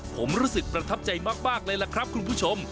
ผมรู้สึกประทับใจมากเลยล่ะครับคุณผู้ชม